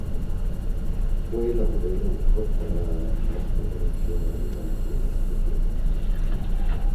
Fue la modelo mejor pagada y más fotografiada durante este tiempo.